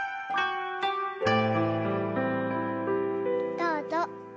どうぞ。